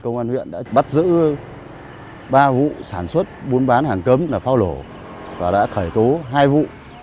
công an huyện đã bắt giữ ba vụ sản xuất buôn bán hàng cấm là pháo nổ và đã khởi tố hai vụ